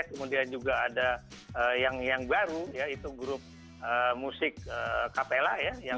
kemudian juga ada yang baru ya itu grup musik capella ya